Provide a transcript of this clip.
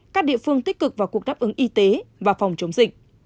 các địa phương tích cực vào cuộc đáp ứng y tế và phòng chống dịch